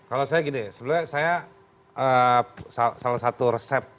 kalau saya gini sebenarnya saya salah satu resep